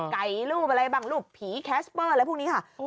ไกลลูกอะไรบางผีแคชเบอร์อะไรพวกนี้ค่ะ